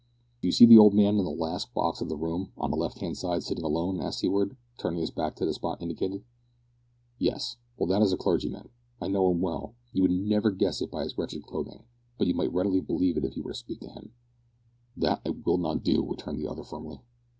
"Do you see the old man in the last box in the room, on the left hand side, sitting alone?" asked Seaward, turning his back to the spot indicated. "Yes." "Well, that is a clergyman. I know him well. You would never guess it from his wretched clothing, but you might readily believe it if you were to speak to him." "That I will not do," returned the other firmly.